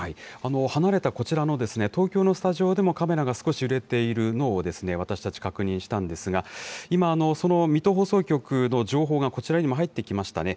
離れたこちらの東京のスタジオでも、カメラが少し揺れているのを私たち確認したんですが、今、水戸放送局の情報がこちらにも入ってきましたね。